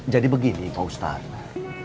jadi begini pak ustadz